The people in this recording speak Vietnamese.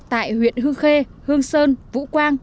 tại huyện hương khê hương sơn vũ quang